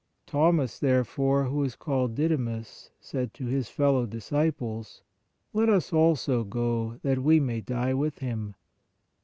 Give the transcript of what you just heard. Thomas there fore, who is called Didimus, said to his fellow disciples : Let us also go, that we may die with Him.